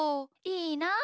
いいなあ。